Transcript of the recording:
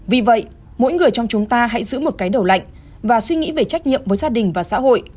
vì vậy mỗi người trong chúng ta hãy giữ một cái đầu lạnh và suy nghĩ về trách nhiệm với gia đình và xã hội